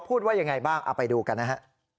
พูดว่ายังไงบ้างเอาไปดูกันนะฮะ